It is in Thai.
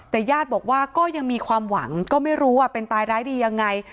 แต่ญาติบอกว่าก็ยังมีความหวังก็ไม่รู้ว่าเป็นตายร้ายดียังไง